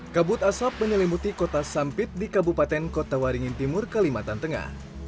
kabut asap menyelimuti kota sampit di kabupaten kota waringin timur kalimantan tengah